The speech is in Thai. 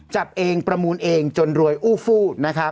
จับเองประมูลเองจนรวยอู้ฟู้